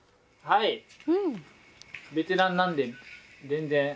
はいベテランなんで全然。